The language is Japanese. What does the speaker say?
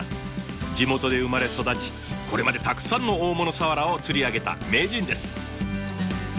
地元で生まれ育ちこれまでたくさんの大物サワラを釣り上げた名人です。